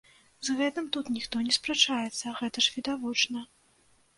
З гэтым тут ніхто не спрачаецца, гэта ж відавочна.